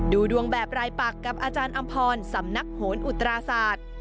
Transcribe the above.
ดูดวงแบบรายปักกับอาจารย์อำพรสำนักโหนอุตราศาสตร์